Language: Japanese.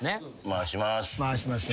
回します。